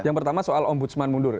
yang pertama soal ombudsman mundur